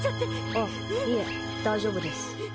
あっ、いえ、大丈夫です。